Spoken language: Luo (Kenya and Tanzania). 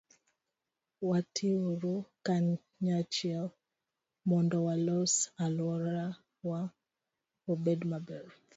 Watiuru kanyachiel mondo walos alworawa obed maber.